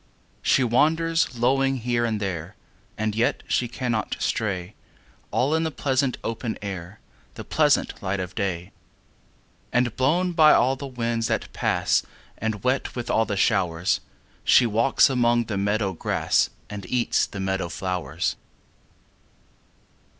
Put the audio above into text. She wanders lowing here and there, And yet she cannot stray, All in the pleasant open air, The pleasant light of day; And blown by all the winds that pass And wet with all the showers, She walks among the meadow grass And eats the meadow flowers.